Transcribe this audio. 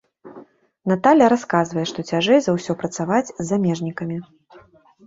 Наталля расказвае, што цяжэй за ўсе працаваць з замежнікамі.